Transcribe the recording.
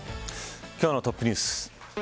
今日のトップニュース。